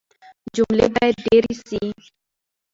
جملې بايد ډېري سي.